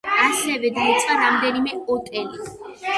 ასევე დაიწვა რამდენიმე ოტელი.